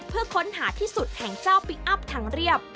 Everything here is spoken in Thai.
เพื่อค้นหาที่สุดแห่งเจ้าพลิกอัพทางเรียบ